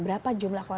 berapa jumlah korban